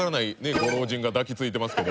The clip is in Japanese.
ご老人が抱きついてますけど。